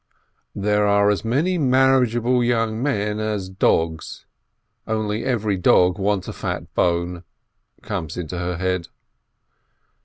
"There are as many marriageable young men as dogs, only every dog wants a fat bone," comes into her head.